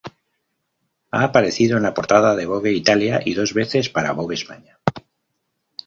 Ha aparecido en la portada de Vogue Italia y dos veces para Vogue España.